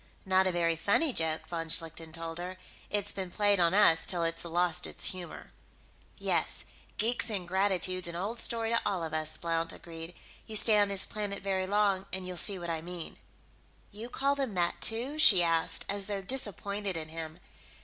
"Not a very funny joke," von Schlichten told her. "It's been played on us till it's lost its humor." "Yes, geek ingratitude's an old story to all of us," Blount agreed. "You stay on this planet very long and you'll see what I mean." "You call them that, too?" she asked, as though disappointed in him.